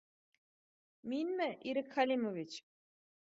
— Минме, Ирек Хәлимович?